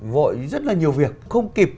vội rất là nhiều việc không kịp